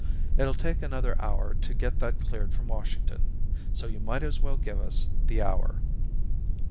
It'll take another hour to get that cleared from Washington so you might as well give us the hour."